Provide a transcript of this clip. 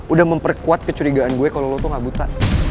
udah memperkuat kecurigaan gue kalau lo tuh gak buta